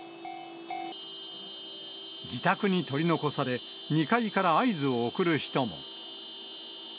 自宅に取り残され、２階から合図を送る人も。